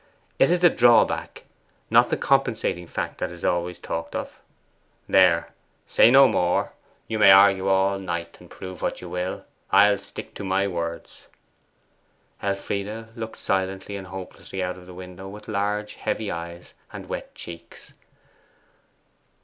It is the drawback, not the compensating fact, that is talked of always. There, say no more. You may argue all night, and prove what you will; I'll stick to my words.' Elfride looked silently and hopelessly out of the window with large heavy eyes and wet cheeks.